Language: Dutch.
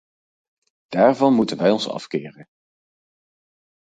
Daarvan moeten wij ons afkeren.